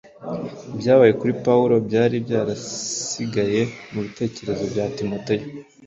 Ibyabaye kuri Pawulo byari byarasigaye mu bitekerezo bya Timoteyo